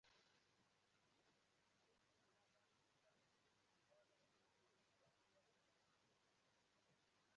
N'iji belata mmetụta nke ọrịa nje korona n'ahụ ụmụ mmadụ